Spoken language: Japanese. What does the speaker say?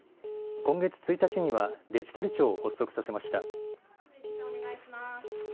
今月１日にはデジタル庁を発足させました。